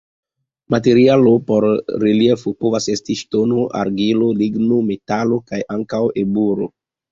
Materialo por reliefo povas esti ŝtono, argilo, ligno, metalo kaj ankaŭ eburo.